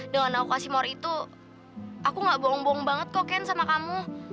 dengan aku kasih mari itu aku gak bohong bohong banget kok ken sama kamu